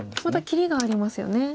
また切りがありますよね。